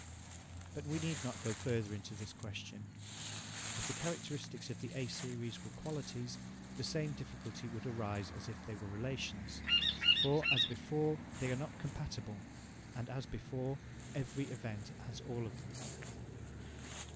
But we need not go further into this question. If the characteristics of the A series were qualities, the same difficulty would arise as if they were relations. For, as before, they are not compatible, and, as before, every event has all of them.